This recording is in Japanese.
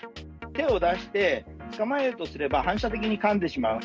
手を出して、捕まえようとすれば、反射的にかんでしまう。